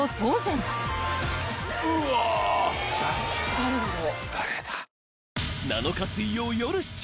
誰だろう？